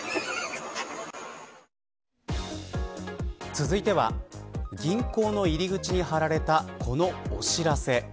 続いては銀行の入り口に張られたこのお知らせ。